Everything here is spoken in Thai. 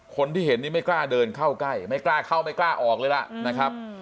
คนที่เห็นนี่ไม่กล้าเดินเข้าใกล้ไม่กล้าเข้าไม่กล้าออกเลยล่ะนะครับ